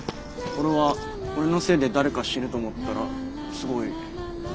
俺は俺のせいで誰か死ぬと思ったらすごいきつかった。